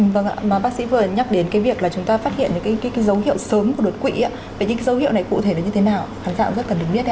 vâng ạ bác sĩ vừa nhắc đến cái việc là chúng ta phát hiện những cái dấu hiệu sớm của đột quỵ về những dấu hiệu này cụ thể là như thế nào khán giả cũng rất cần được biết ạ